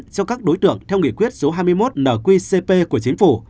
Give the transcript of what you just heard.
cho các đối tượng theo nghị quyết số hai mươi một nqcp của chính phủ